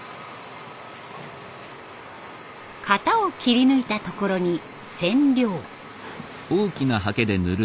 型を切り抜いたところに染料。